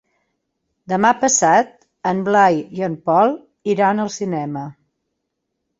Demà passat en Blai i en Pol iran al cinema.